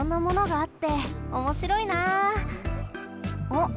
あっ。